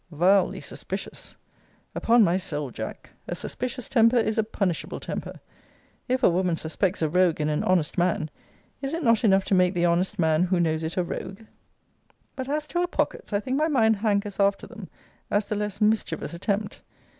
Vilely suspicious! Upon my soul, Jack, a suspicious temper is a punishable temper. If a woman suspects a rogue in an honest man, is it not enough to make the honest man who knows it a rogue? But, as to her pockets, I think my mind hankers after them, as the less mischievous attempt.